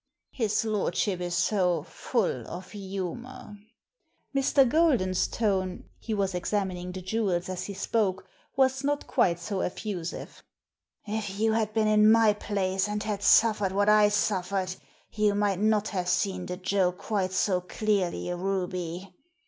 His lordship is so full of humour." Mr. Golden's tone — ^he was examining the jewels as he spoke — ^was not quite so effusive. "If you had been in my place, and had suffered what I suffered, you might not have seen the joke quite so clearly, Ruby.